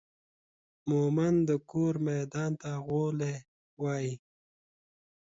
مومند دا کور ميدان ته غولي وايي